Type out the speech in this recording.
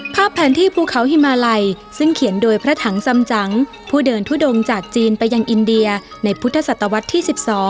แผนที่ภูเขาฮิมาลัยซึ่งเขียนโดยพระถังสำจังผู้เดินทุดงจากจีนไปยังอินเดียในพุทธศตวรรษที่๑๒